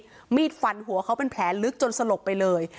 เอามีดฟันหัวเขาเป็นแผลลึกจนสลบไปเลย